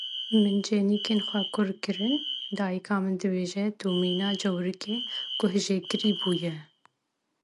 Min cênîkên xwe kur kirin dayika min dibêje tu mîna cewrikê guhjêkirî bûye.